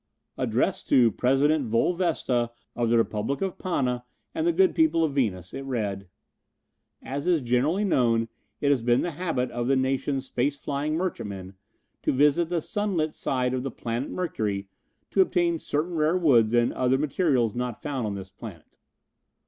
Addressed to President Vole Vesta of the Republic of Pana and the good people of Venus, it read: As is generally known, it has been the habit of the nation's space flying merchantmen to visit the sunlit side of the planet Mercury to obtain certain rare woods and other materials not found on this planet.